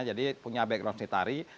jadi punya background dari tari